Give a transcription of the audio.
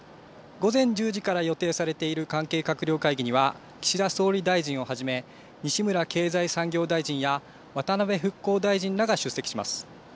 午前１０時から予定されている関係閣僚会議には岸田総理大臣をはじめ、西村経済産業大臣や渡辺復興大臣らが出席します。